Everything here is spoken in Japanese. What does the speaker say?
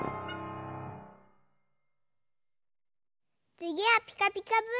つぎは「ピカピカブ！」だよ。